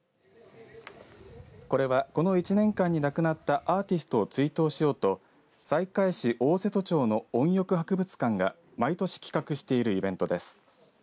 これは、この１年間に亡くなったアーティストを追悼しようと西海市大瀬戸町の音浴博物館が毎年企画しているイベントです。